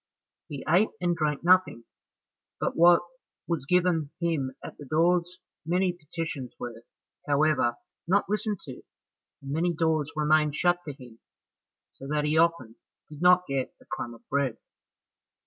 He ate and drank nothing but what was given him at the doors; many petitions were, however, not listened to, and many doors remained shut to him, so that he often did not get a crumb of bread.